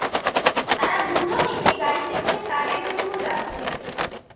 তারা দুজন একটি গাড়িতে করে কাজের জন্য যাচ্ছে।